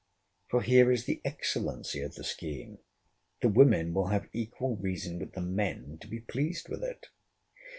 —For here is the excellency of the scheme: the women will have equal reason with the men to be pleased with it.